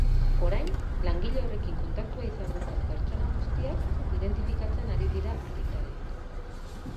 Orain, langile horrekin kontaktua izan duten pertsona guztiak identifikatzen ari dira agintariak.